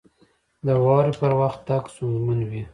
• د واورې پر وخت تګ ستونزمن وي.